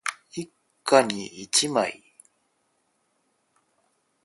一家に一枚